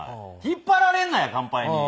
引っ張られんなや『乾杯』に。